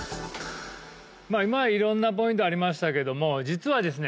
まあ今まで色んなポイントありましたけども実はですね